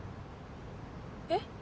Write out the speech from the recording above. えっ？